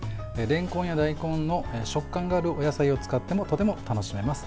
れんこんや大根の食感があるお野菜を使ってもとても楽しめます。